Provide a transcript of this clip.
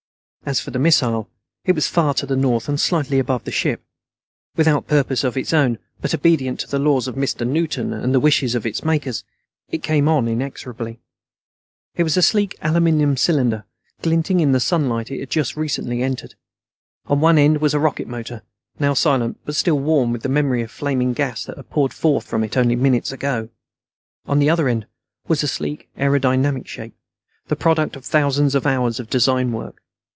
As for the missile, it was far to the north and slightly above the ship. Without purpose of its own, but obedient to the laws of Mr. Newton and to the wishes of its makers, it came on inexorably. It was a sleek aluminum cylinder, glinting in the sunlight it had just recently entered. On one end was a rocket motor, now silent but still warm with the memory of flaming gas that had poured forth from it only minutes ago. On the other end was a sleek aerodynamic shape, the product of thousands of hours of design work.